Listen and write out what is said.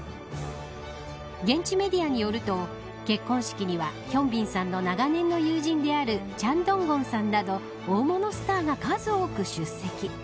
現地メディアによると結婚式には、ヒョンビンさんの長年の友人であるチャン・ドンゴンさんなど大物スターが数多く出席。